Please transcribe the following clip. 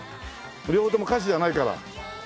両方とも歌手じゃないから？